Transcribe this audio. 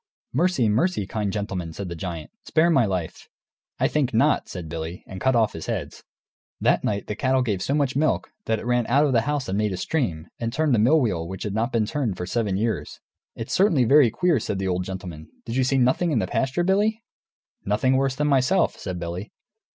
"Mercy, mercy, kind gentleman!" cried the giant. "Spare my life!" "I think not," said Billy, and cut off his heads. That night the cattle gave so much milk that it ran out of the house and made a stream, and turned a mill wheel which had not been turned for seven years! "It's certainly very queer," said the old gentleman; "did you see nothing in the pasture, Billy?" "Nothing worse than myself," said Billy.